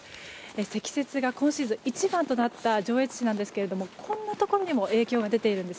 積雪が今シーズン一番となった上越市なんですがこんなところにも影響が出ているんです。